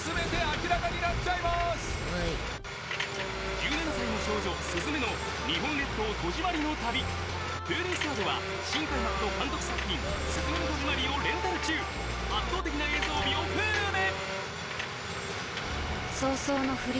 １７歳の少女鈴芽の日本列島戸締まりの旅Ｈｕｌｕストアでは新海誠監督作品『すずめの戸締まり』をレンタル中圧倒的な映像美をＨｕｌｕで！